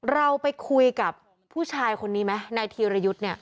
เราไปคุยกับผู้ชายคนนี้ไหมนายธีรยุทธ์เนี่ย